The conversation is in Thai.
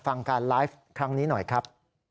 ฟังการไลฟ์ครั้งนี้หน่อยครับ